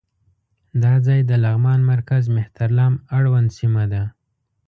دا ځای د لغمان مرکز مهترلام اړوند سیمه ده.